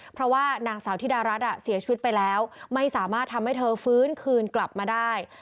เพราะว่านางสาวธิดารัฐเสียชีวิตไปแล้วไม่สามารถทำให้เธอฟื้นคืนกลับมาได้